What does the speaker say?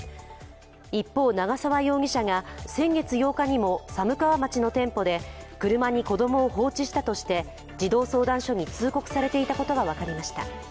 一方、長沢容疑者が先月８日にも寒川町の店舗で車に子供を放置したとして、児童相談所に通告されていたことが分かりました。